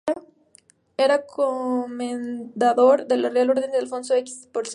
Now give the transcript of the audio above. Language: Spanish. Era comendador de la Real Orden de Alfonso X el Sabio.